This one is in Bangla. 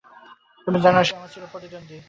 তুমি জানো, সে আমার চির প্রতিদ্বন্দ্বী।